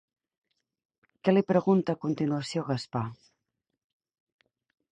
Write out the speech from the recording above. Què li pregunta a continuació Gaspar?